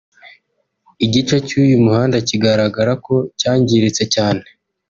Igice cy’uyu muhanda kigaragara ko cyangiritse cyane